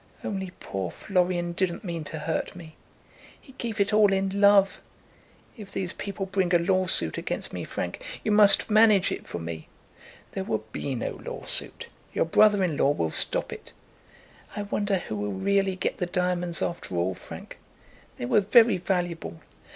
Only poor Florian didn't mean to hurt me. He gave it all in love. If these people bring a lawsuit against me, Frank, you must manage it for me." "There will be no lawsuit. Your brother in law will stop it." "I wonder who will really get the diamonds after all, Frank? They were very valuable.